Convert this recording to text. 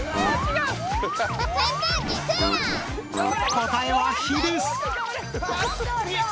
答えは「火」です！